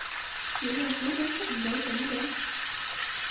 你又估到出唔到境嘅